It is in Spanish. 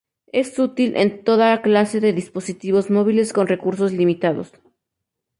Es útil en toda clase de dispositivos móviles con recursos limitados.